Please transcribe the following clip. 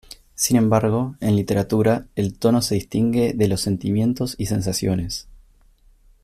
Sin embargo, en literatura el tono se distingue de los sentimientos y sensaciones.